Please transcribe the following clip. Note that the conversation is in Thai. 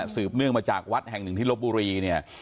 เนื่องมาจากวัดแห่งหนึ่งที่ลบบุรีเนี่ย